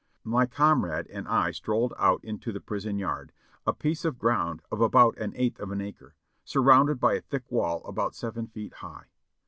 My comrade and I strolled out into the prison yard, a piece of o'round of about an eighth of an acre, surrounded by a thick wall about seven feet high.